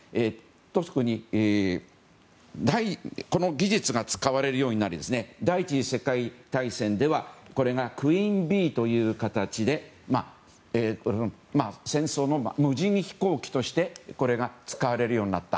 この技術が使われるようになり第１次世界大戦ではこれがクイーン・ビーという形で戦争の無人飛行機としてこれが使われるようになった。